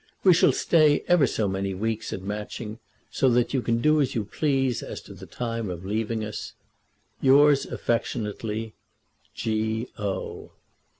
We shall stay ever so many weeks at Matching, so that you can do as you please as to the time of leaving us. Yours affectionately, G. O.